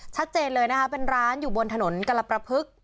ชัดเจนเลยนะคะเป็นร้านอยู่บนถนนกรประพฤกษ์